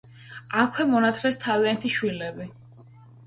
აქვე მონათლეს თავიანთი შვილები.